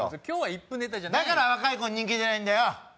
今日は１分ネタじゃないだから若い子に人気出ないんだよ